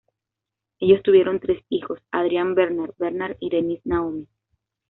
Ellos tuvieron tres hijos, Adrian Bernard, Bernard y Denise Naomi.